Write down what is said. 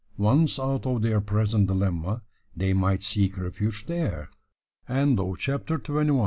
Once out of their present dilemma, they might seek refuge there. CHAPTER TWENTY TWO.